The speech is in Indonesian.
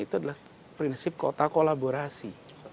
itu adalah prinsip kota kolaborasi